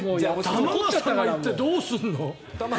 玉川さんが行ってどうするの？